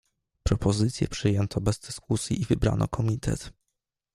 "Propozycję przyjęto bez dyskusji i wybrano komitet."